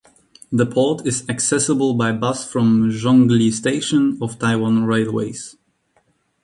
The port is accessible by bus from Zhongli Station of Taiwan Railways.